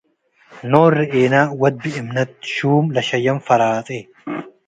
ኖር ርኤነ ወድ ብእምነት - ሹም ለሸየም ፈራጼ